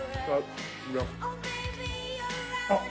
あっ！